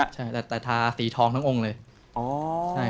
ใช่แต่ทาสีทองทั้งองค์เลย